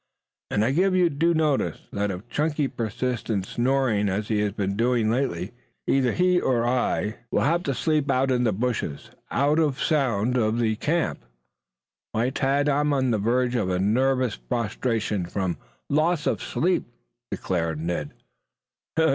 And I give you due notice that if Chunky persists in snoring as he has been doing lately either he or I will have to sleep out in the bushes out of sound of the camp. Why, Tad, I am on the verge of nervous prostration from loss of sleep," declared Ned.